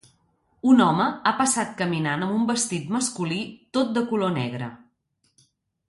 Un home ha passat caminant amb un vestit masculí tot de color negre.